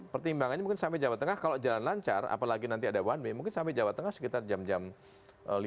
pertimbangannya mungkin sampai jawa tengah kalau jalan lancar apalagi nanti ada satu w mungkin sampai jawa tengah sekitar jam lima enam sore